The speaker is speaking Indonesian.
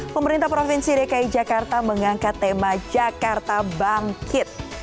pemerintah provinsi dki jakarta mengangkat tema jakarta bangkit